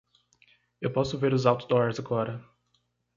Eu posso ver os outdoors agora.